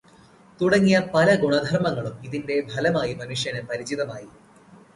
തുടങ്ങിയ പല ഗുണധർമ്മങ്ങളും, ഇതിന്റെ ഫലമായി മനുഷ്യനു് പരിചിതമായി.